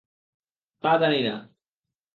তা জানি না।